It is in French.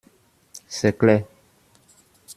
C’est clair.